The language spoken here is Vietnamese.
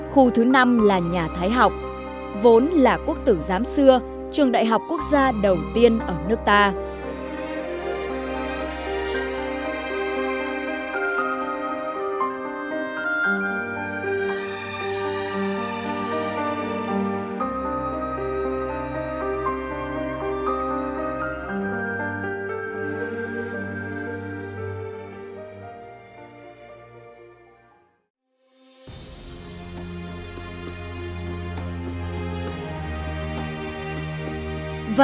khu thứ năm là nhà thái học vốn là quốc tử giám xưa trường đại học quốc gia đầu tiên ở nước ta